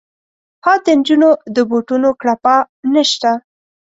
ها د نجونو د بوټونو کړپا نه شته